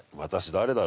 誰だ？